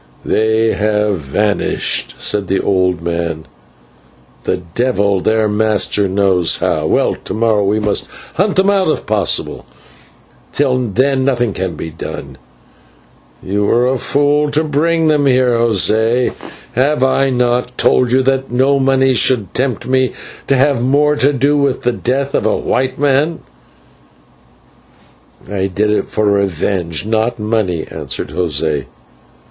"They have vanished," said the old man, "the devil their master knows how. Well, to morrow we must hunt them out if possible, till then nothing can be done. You were a fool to bring them here, José. Have I not told you that no money should tempt me to have more to do with the death of white men?" "I did it for revenge, not money," answered José.